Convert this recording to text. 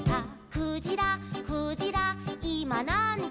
「クジラクジラいまなんじ」